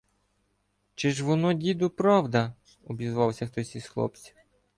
— Чи ж воно, діду, правда? — обізвався хтось із хлопців.